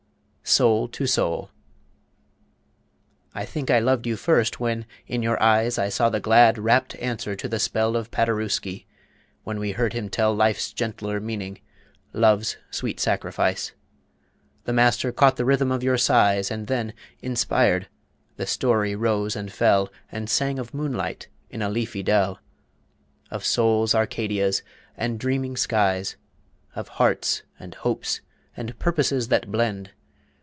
SOUL TO SOUL I think I loved you first when in your eyes I saw the glad, rapt answer to the spell Of Paderewski, when we heard him tell Life's gentler meaning, Love's sweet sacrifice. The master caught the rhythm of your sighs And then, inspired, the story rose and fell And sang of moonlight in a leafy dell, Of souls' Arcadias and dreaming skies, Of hearts and hopes and purposes that blend.